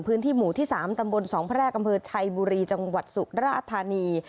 พื้นที่หมู่ที่๓ตำบล๒แพรกอำเภอชัยบุรีจังหวัดสุราธานี